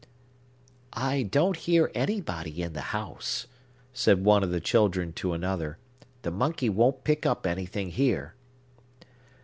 "I don't hear anybody in the house," said one of the children to another. "The monkey won't pick up anything here."